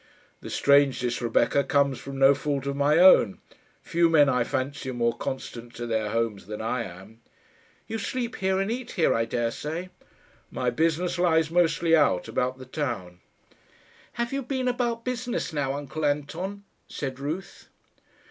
"The strangeness, Rebecca, comes from no fault of my own. Few men, I fancy, are more constant to their homes than I am." "You sleep here and eat here, I daresay." "My business lies mostly out, about the town." "Have you been about business now, uncle Anton?" said Ruth.